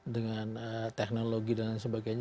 dengan teknologi dan sebagainya